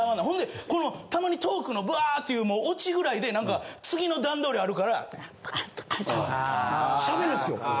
ほんでこのたまにトークのバーッていうもうオチぐらいでなんか次の段取りあるからしゃべるんすよ。